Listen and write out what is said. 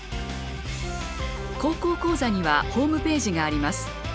「高校講座」にはホームページがあります。